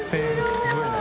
すごいな。